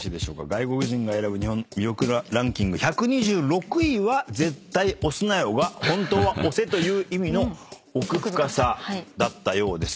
外国人が選ぶ日本の魅力ランキング１２６位は「『絶対押すなよ』が本当は『押せ』という意味の奥深さ」だったようです。